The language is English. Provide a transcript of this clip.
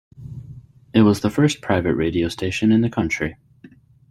It was the first private radio station in the country.